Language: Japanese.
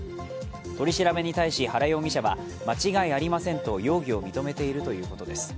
取り調べに対し原容疑者は間違いありませんと容疑を認めているということです。